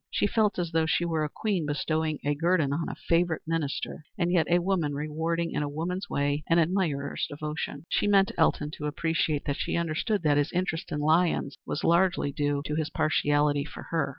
She felt as though she were a queen bestowing a guerdon on a favorite minister, and yet a woman rewarding in a woman's way an admirer's devotion. She meant Elton to appreciate that she understood that his interest in Lyons was largely due to his partiality for her.